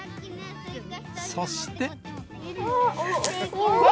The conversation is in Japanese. そして。